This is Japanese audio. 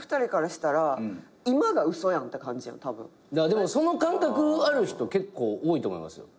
でもその感覚ある人結構多いと思います。